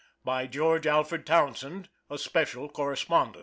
BY GEORGE ALFRED TOWNSEND, A SPECIAL CORRESPONDENT.